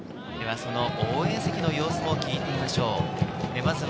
その応援席の様子も聞いてみましょう。